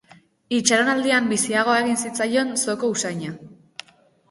Itxaronaldian biziagoa egin zitzaion zoko usaina.